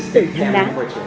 từ thành đá